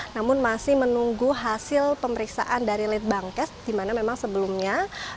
namun masih menunggu hasil pemeriksaan dari litbangkes di mana memang sebelumnya